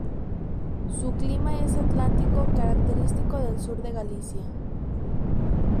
Su clima es atlántico, característico del sur de Galicia.